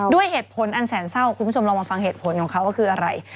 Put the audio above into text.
ด้วยเหตุผลอันแสนเศร้าคุณผู้ชมลองมาฟังเหตุผลของเขาก็คืออะไร